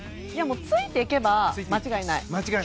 ついていけば間違いない。